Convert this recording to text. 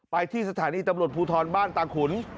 ไปที่สถานีตำรวจภูทรบ้านตาขุน